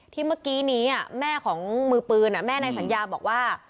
เมื่อกี้นี้แม่ของมือปืนแม่นายสัญญาบอกว่า